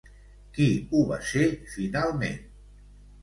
Qui ho va ser finalment?